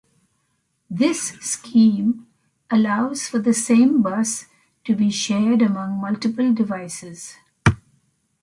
This scheme allows for the same bus to be shared among multiple devices.